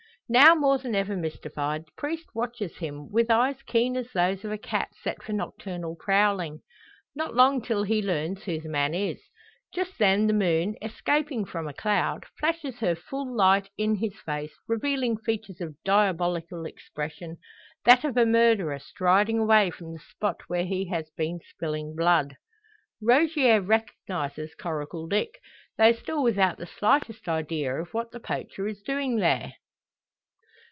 Now more than ever mystified, the priest watches him, with eyes keen as those of a cat set for nocturnal prowling. Not long till he learns who the man is. Just then the moon, escaping from a cloud, flashes her full light in his face, revealing features of diabolic expression that of a murderer striding away from the spot where he has been spilling blood! Rogier recognises Coracle Dick, though still without the slightest idea of what the poacher is doing there.